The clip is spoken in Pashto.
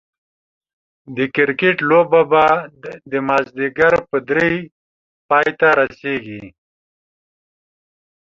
د کرکټ لوبه به دا ماځيګر په دري پايي ته رسيږي